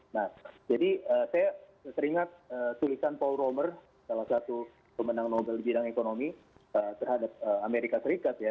nah jadi saya teringat tulisan paul romer salah satu pemenang nobel di bidang ekonomi terhadap amerika serikat ya